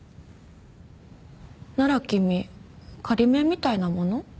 なら君仮免みたいなもの？